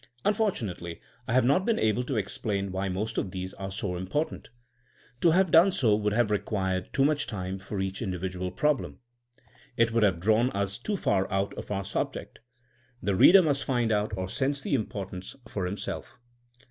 Unfortunately I have not been able to explain why most of these are so important. To have done so would have required too much time for each individual problem. It would have drawn 224 THINKINa AS A SOIENOE us too far out of our subject. The reader must find out or sense the importance for himself.